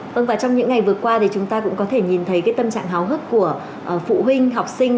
vâng và trong những ngày vừa qua thì chúng ta cũng có thể nhìn thấy cái tâm trạng háo hức của phụ huynh học sinh